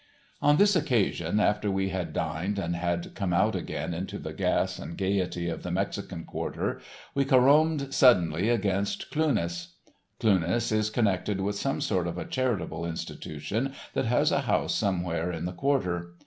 On this occasion after we had dined and had come out again into the gas and gaiety of the Mexican quarter we caromed suddenly against Cluness. Cluness is connected with some sort of a charitable institution that has a house somewhere in the "Quarter."